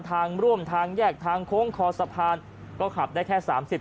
ทางร่วมทางแยกทางโค้งคอสะพานก็ขับได้แค่สามสิบ